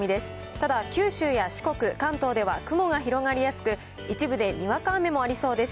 ただ、九州や四国、関東では雲が広がりやすく、一部でにわか雨もありそうです。